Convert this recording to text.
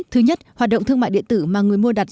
thứ nhất hoạt động thương mại điện tử mà người mua đặt